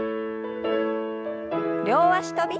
両脚跳び。